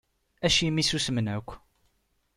Acimi i susmen akk?